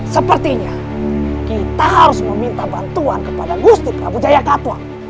sepertinya kita harus meminta bantuan kepada gusti prabu jaya katua